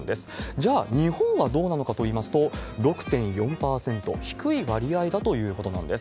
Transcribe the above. じゃあ日本はどうなのかといいますと、６．４％、低い割合だということなんです。